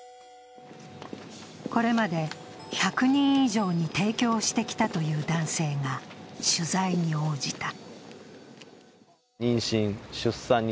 これまで１００人以上に提供してきたという男性が取材に応じた。